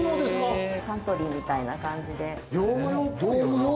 パントリーみたいな感じで。